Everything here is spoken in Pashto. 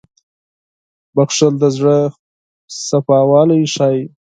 • بښل د زړه پاکوالی ښيي.